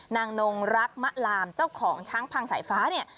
นางนงรักมะลามเจ้าของช้างพังสายฟ้าเนี่ย